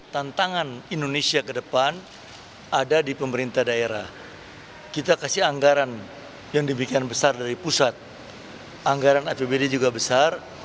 tantangan indonesia ke depan ada di pemerintah daerah kita kasih anggaran yang demikian besar dari pusat anggaran apbd juga besar